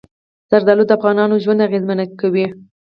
زردالو د افغانانو ژوند اغېزمن کوي.